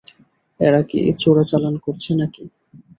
এরা কি চোরাচালান করছে নাকি?